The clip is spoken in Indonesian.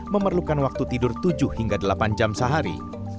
memerlukan waktu tidur tujuh hingga delapan jam sehari